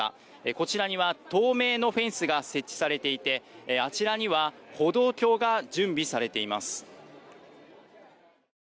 こちらには透明のフェンスが設置されていてあちらには歩道橋が準備されています。